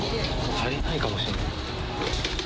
足りないかもしれない。